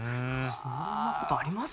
そんな事あります？